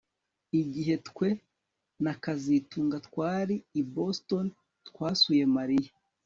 Igihe twe na kazitunga twari i Boston twasuye Mariya